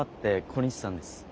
小西さんです。